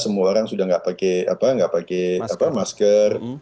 semua orang sudah tidak pakai masker